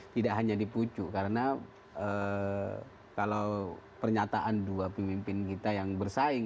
tidak hanya dipucu karena kalau pernyataan dua pemimpin kita yang bersaing